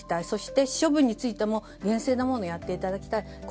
そして処分についても厳正なものやっていただきたいと。